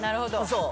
そう。